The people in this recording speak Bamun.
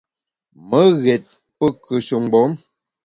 Me ghét pe kùeshe mgbom.